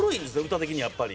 歌的にやっぱり。